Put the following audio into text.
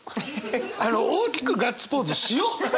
大きくガッツポーズしよう！